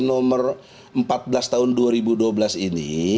nomor empat belas tahun dua ribu dua belas ini